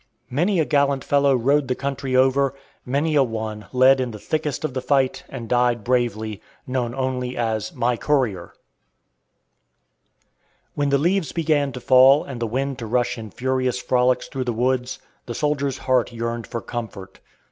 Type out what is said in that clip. Many a gallant fellow rode the country over; many a one led in the thickest of the fight and died bravely, known only as "my courier." When the leaves began to fall and the wind to rush in furious frolics through the woods, the soldier's heart yearned for comfort.